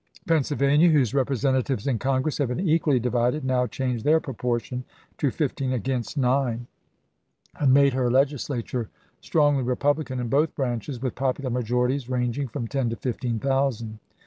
Pennsylvania, whose Repre sentatives in Congress had been equally divided, now changed their proportion to fifteen against nine, and made her Legislature strongly Eepublican in both branches, with popular majorities ranging from ten to fifteen thousand.